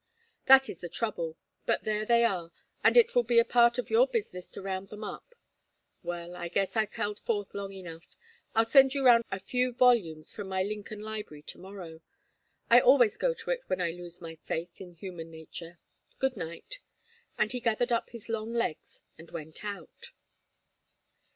That is the trouble, but there they are, and it will be a part of your business to round them up. Well, I guess I've held forth long enough. I'll send you round a few volumes from my Lincoln library to morrow. I always go to it when I lose my faith in human nature. Good night." And he gathered up his long legs and went out.